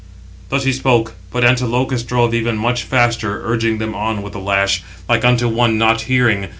Thus he spoke; but Antilochus drove even much faster, urging [them] on with the lash, like unto one not hearing.